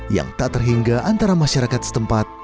yang tak terhingga antara masyarakat setempat